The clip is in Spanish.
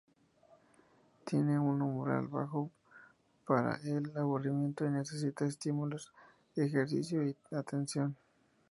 Tiene un umbral bajo para el aburrimiento y necesita estímulos, ejercicio y atención.